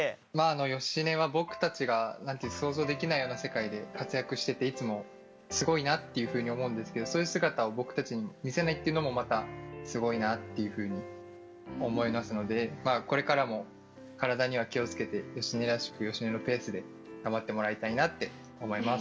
芳根は僕たちが想像できないような世界で活躍してていつもすごいなっていうふうに思うんですけどそういう姿を僕たちに見せないっていうのもまたすごいなっていうふうに思いますのでこれからも体には気を付けて芳根らしく芳根のペースで頑張ってもらいたいなと思います。